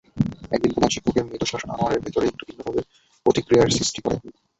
একদিন প্রধান শিক্ষকের মৃদু শাসন আনোয়ারের ভেতরে একটু ভিন্নভাবে প্রতিক্রিয়ার সৃষ্টি করে।